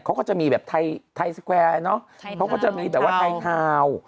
เขาก็จะมีแบบไทยสแควร์เนอะเขาก็จะมีแบบว่าไทยทาวน์